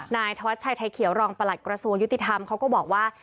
นายธวัชชัยไทยเขียวรองประหลัดกระทรวงยุติธรรมเขาก็บอกว่า